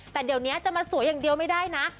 แต่เดี๋ยวนี้จะมาสวยอย่างเดียวไม่ได้นะ